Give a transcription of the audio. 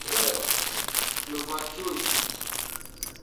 لوپار چوں